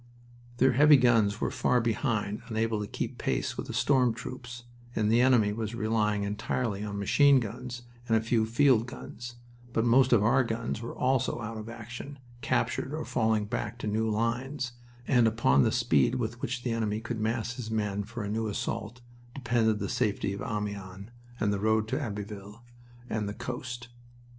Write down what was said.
Their heavy guns were far behind, unable to keep pace with the storm troops, and the enemy was relying entirely on machine guns and a few field guns, but most of our guns were also out of action, captured or falling back to new lines, and upon the speed with which the enemy could mass his men for a new assault depended the safety of Amiens and the road to Abbeville and the coast.